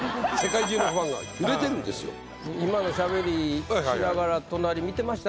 今のしゃべりしながら隣見てました？